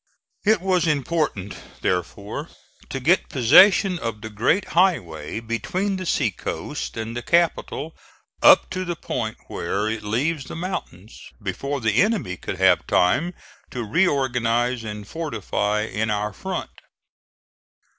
It was important, therefore, to get possession of the great highway between the sea coast and the capital up to the point where it leaves the mountains, before the enemy could have time to re organize and fortify in our front.